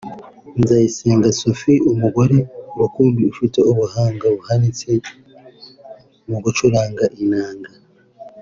Nzayisenga Sophie [umugore rukumbi ufite ubuhanga buhanitse mu gucuranga inanga]